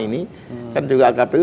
ini saya bakal jadi lagi nih atau